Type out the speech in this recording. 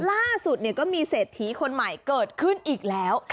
ล่าสุดก็มีเศรษฐีคนใหม่เกิดขึ้นอีกแล้ว